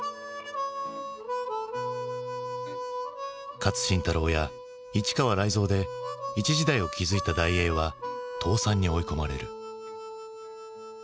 勝新太郎や市川雷蔵で一時代を築いた大映は倒産に追い込まれる。